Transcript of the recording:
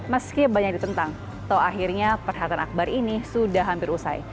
meski banyak ditentang toh akhirnya perhatian akbar ini sudah hampir usai